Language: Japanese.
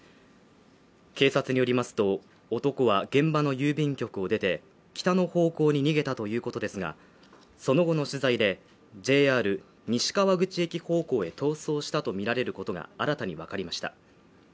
警察によりますと男は現場の郵便局を出て北の方向に逃げたということですがその後の取材でＪＲ西川口駅方向へ逃走したとみられることが新たに分かりました